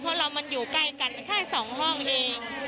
เพราะเรามันอยู่ใกล้กันแค่๒ห้องเอง